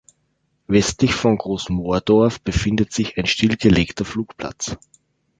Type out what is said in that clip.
Westlich von Groß Mohrdorf befindet sich ein stillgelegter Flugplatz.